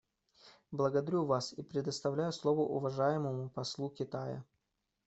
Благодарю вас и предоставляю слово уважаемому послу Китая.